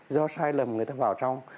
do sai lầm người ta vào trong